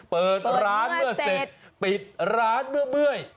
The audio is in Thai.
เปิดร้านเมื่อเสร็จปิดร้านเมื่อย